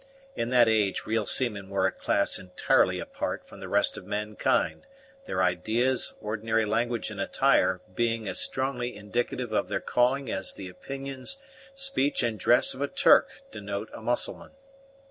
In that age, real seamen were a class entirely apart from the rest of mankind, their ideas, ordinary language, and attire being as strongly indicative of their calling as the opinions, speech, and dress of a Turk denote a Mussulman.